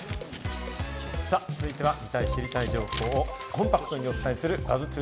さぁ続いては、見たい知りたい情報をコンパクトにお伝えするＢＵＺＺ